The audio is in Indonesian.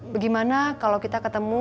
bagaimana kalo kita ketemu